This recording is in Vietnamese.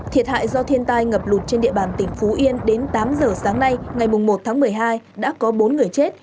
thiệt hại do thiên tai ngập lụt trên địa bàn tỉnh phú yên đến tám giờ sáng nay ngày một tháng một mươi hai đã có bốn người chết